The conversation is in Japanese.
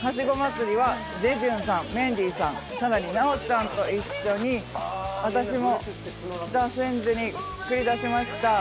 ハシゴ祭りはジェジュンさん、メンディーさん、さらに奈緒ちゃんと一緒に私も北千住に繰り出しました。